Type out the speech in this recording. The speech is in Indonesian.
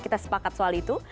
kita sepakat soal itu